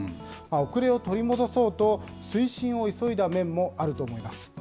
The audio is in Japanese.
後れを取り戻そうと、推進を急いだ面もあると思います。